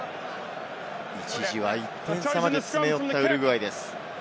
一時は１点差まで詰め寄ったウルグアイです。